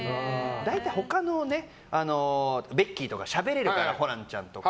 大体、他のベッキーとかはしゃべれるからホランちゃんとか。